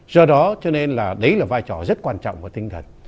do đó cho nên là đấy là vai trò rất quan trọng của tinh thần